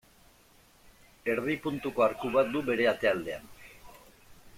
Erdi puntuko arku bat du bere ate-aldean.